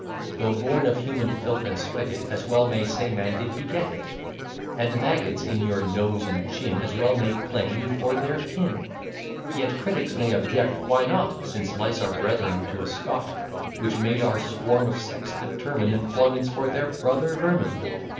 Though born of human filth and sweat, it As well may say man did beget it. And maggots in your nose and chin As well may claim you for their kin. Yet critics may object, why not? Since lice are brethren to a Scot: Which made our swarm of sects determine Employments for their brother vermin.